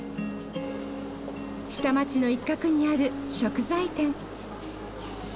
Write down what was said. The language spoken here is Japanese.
下町の一角にある食材店。